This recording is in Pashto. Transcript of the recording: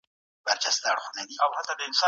ایا تکړه پلورونکي جلغوزي خرڅوي؟